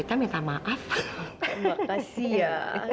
terima kasih ya